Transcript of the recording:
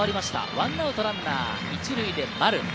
１アウトランナー１塁で丸。